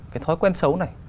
cái thói quen xấu này